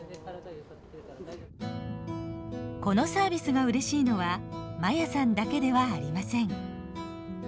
このサービスがうれしいのはまやさんだけではありません。